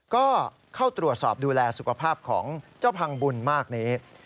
ก็เข้าตรวจสอบดูแลสุขภาพของเจ้าพังบุญมากนี้